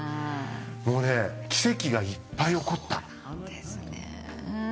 もうね奇跡がいっぱい起こった。ですね。